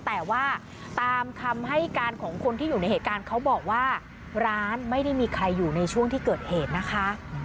แต่ว่าตามคำให้การของคนที่อยู่ในเหตุการณ์เขาบอกว่าร้านไม่ได้มีใครอยู่ในช่วงที่เกิดเหตุนะคะ